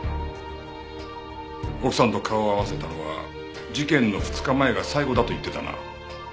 奥さんと顔を合わせたのは事件の２日前が最後だと言ってたな。